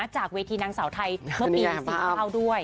จากเวทีนางเสาไทยเมื่อปี๔คร่าวด้วย